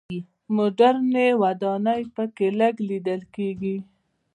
مډرنې ودانۍ په کې لږ لیدل کېږي.